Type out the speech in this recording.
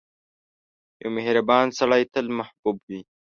• یو مهربان سړی تل محبوب وي.